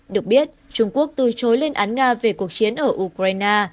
được biết trung quốc từ chối lên án nga về cuộc chiến ở ukraine